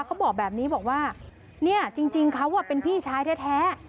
เขาบอกแบบนี้บอกว่าเนี่ยจริงเขาเป็นพี่ชายแท้